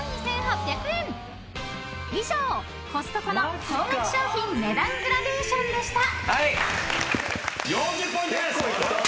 ［以上コストコの高額商品値段グラデーションでした］